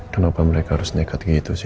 kenapa mereka harus nekat gitu sih